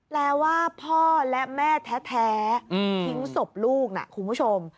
ว่าพ่อและแม่แท้ทิ้งศพลูกนะคุณผู้ชม